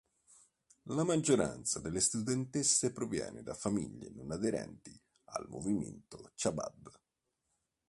La maggioranza delle studentesse proviene da famiglie non aderenti al movimento Chabad.